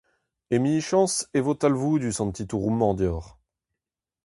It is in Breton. Emichañs e vo talvoudus an titouroù-mañ deoc'h.